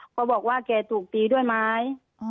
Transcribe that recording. เขาบอกว่าแก่ถูกตีด้วยมั้ย